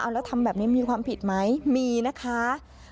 แล้วทำแบบนี้มีความผิดไหมมีนะคะ